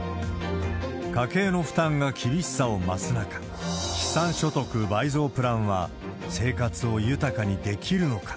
家計の負担が厳しさを増す中、資産所得倍増プランは生活を豊かにできるのか。